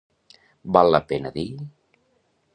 Val la pena dir...